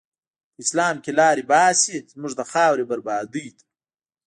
په اسلام کی لاری باسی، زموږ د خاوری بربادی ته